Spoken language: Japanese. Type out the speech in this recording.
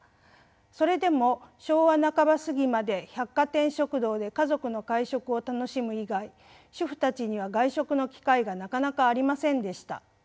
それでも昭和半ば過ぎまで百貨店食堂で家族の会食を楽しむ以外主婦たちには外食の機会がなかなかありませんでした。